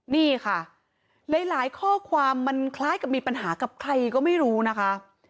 นี่ค่ะหลายข้อความมันคล้ายกับมีปัญหากับใครก็ไม่รู้นะคะ